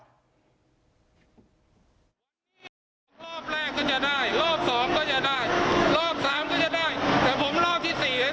รอบแรกก็จะได้รอบสองก็จะได้รอบสามก็จะได้แต่ผมรอบที่สี่เห็น